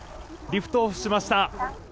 リフトオフしました。